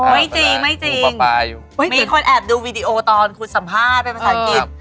ไม่จริงไม่จริงมีคนแอบดูวีดีโอตอนคุณสัมภาษณ์เป็นภาษาอังกฤษ